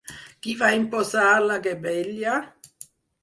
Qui va imposar la gabella?